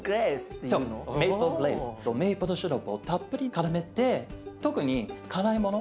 メイプルシロップをたっぷりからめて特に辛いもの